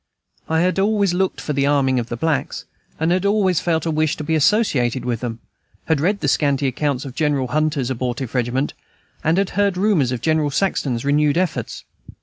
I had always looked for the arming of the blacks, and had always felt a wish to be associated with them; had read the scanty accounts of General Hunter's abortive regiment, and had heard rumors of General Saxton's renewed efforts.